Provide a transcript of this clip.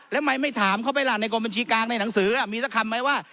แล้วทำไมไม่ถามเขาไปล่ะในกรมบัญชีกลางในหนังสือมีสักคำไหมว่า